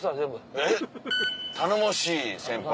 えっ頼もしい先輩。